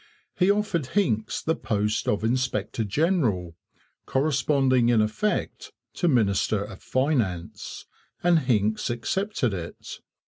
He offered Hincks the post of inspector general, corresponding in effect to minister of Finance, and Hincks accepted it.